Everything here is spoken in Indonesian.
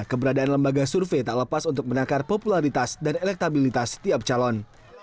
keberadaan lembaga survei tak lepas untuk menakar popularitas dan elektabilitas setiap calon